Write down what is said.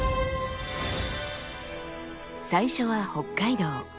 最初は北海道。